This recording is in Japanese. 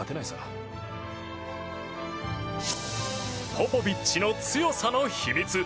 ポポビッチの強さの秘密。